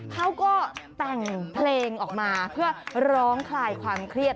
เขาก็แต่งเพลงออกมาเพื่อร้องคลายความเครียด